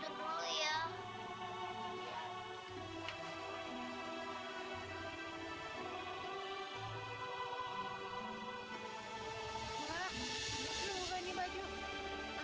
serahin aja semuanya sama aku